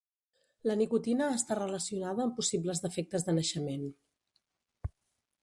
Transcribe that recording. La nicotina està relacionada amb possibles defectes de naixement.